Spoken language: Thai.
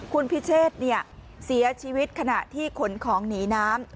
คุณพิเชษเสียชีวิตขณะที่ขนของหนีน้ำ